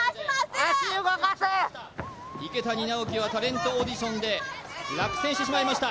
まっすぐ池谷直樹はタレントオーディションで落選してしまいました